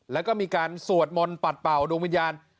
แล้วก็มีการสวดมนต์ปัดเป่าดวงวิญญาณ